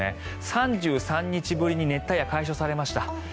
３３日ぶりに熱帯夜、解消されました。